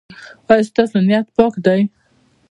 ایا ستاسو نیت پاک دی؟